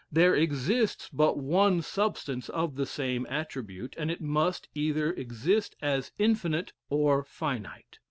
There exists but one substance of the same attribute; and it must either exist as infinite or finite.